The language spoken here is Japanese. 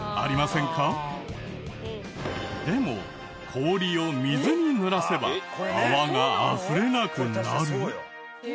でも氷を水に濡らせば泡があふれなくなる？